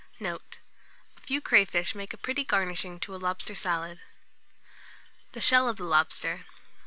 Note. A few crayfish make a pretty garnishing to lobster salad. THE SHELL OF THE LOBSTER.